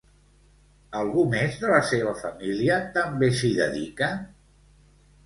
Algú més de la seva família també s'hi dedica?